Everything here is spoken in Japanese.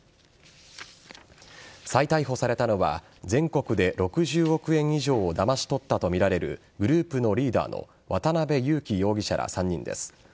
再逮捕されたのは全国で６０億円以上をだまし取ったとみられるグループのリーダーの渡辺優樹容疑者ら３人です。